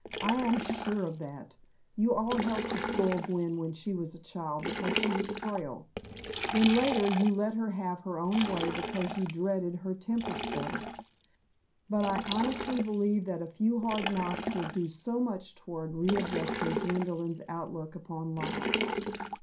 "I am sure of that. You all helped to spoil Gwen when she was a child because she was frail. Then later you let her have her own way because you dreaded her temper spells, but I honestly believe that a few hard knocks will do much toward readjusting Gwendolyn's outlook upon life."